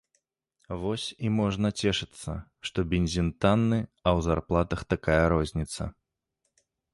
Вось і можна цешыцца, што бензін танны, а ў зарплатах такая розніца.